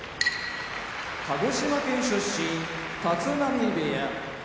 鹿児島県出身立浪部屋妙義龍